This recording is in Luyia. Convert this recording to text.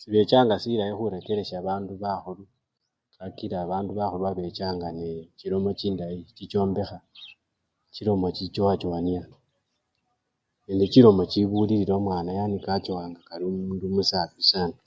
sibechanga silayi khurekeresha babdu bakhulu kakila bandu bakhulu babechanga nechilomo chindayi chichombekha, chilomo chichichowachowanya nende chilomo chichibulilila omwana wachowa nga kali omundu umusafi saana.